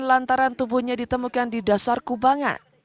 lantaran tubuhnya ditemukan di dasar kubangan